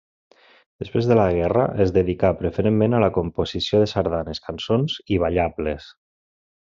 Després de la guerra es dedicà preferentment a la composició de sardanes, cançons i ballables.